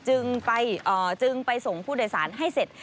จึงไปส่งผู้โดยสารให้เสร็จ